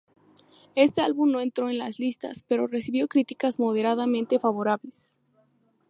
Este álbum no entró en las listas, pero recibió críticas moderadamente favorables.